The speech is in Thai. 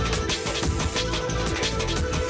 นี่มาแล้วโอ้โฮอ๋อ